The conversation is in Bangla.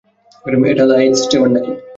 এটা লাইটস্ট্যাবার নাকি?